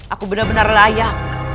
aku benar benar layak